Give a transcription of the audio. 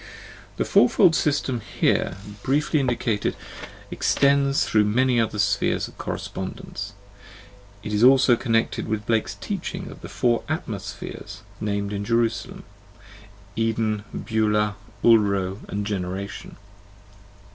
The fourfold system here briefly indicated extends through many other spheres of correspondence; it is also connected with Blake's teaching of the four " atmospheres," named in "Jerusalem," Eden, Beulah, Ulro, and Generation.